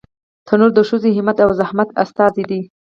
تنور د ښځو همت او زحمت استازی دی